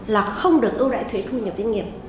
là không được ưu đại thuế thu nhập doanh nghiệp